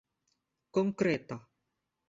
konkreta